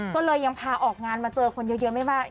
ก็เลยยังพาออกงานมาเจอคนเยอะไม่มาก